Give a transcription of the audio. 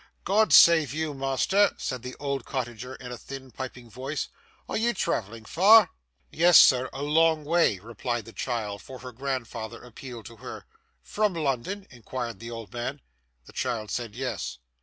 'God save you, master,' said the old cottager in a thin piping voice; 'are you travelling far?' 'Yes, Sir, a long way' replied the child; for her grandfather appealed to her. 'From London?' inquired the old man. The child said yes.